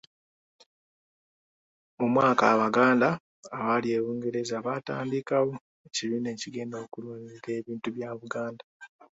Mu mwaka abaganda abaali e bungereza baatandikawo ekibiina ekigenda okulwanirira ebintu bya Buganda.